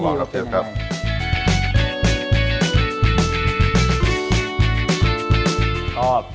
ต้องลองครับพี่แนน